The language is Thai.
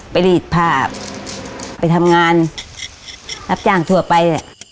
รีดผ้าไปทำงานรับจ้างทั่วไป